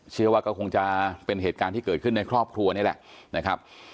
เชื่อว่าก็คงจะเป็นเหตุการณ์ที่เกิดขึ้นในครอบครัวนี่แหละนะครับ